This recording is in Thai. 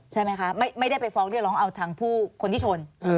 ใช่ไหมคะไม่ได้ไปฟ้องเรียกร้องเอาทางผู้คนที่ชน